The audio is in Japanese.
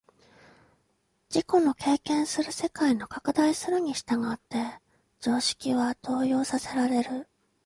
自己の経験する世界の拡大するに従って常識は動揺させられる。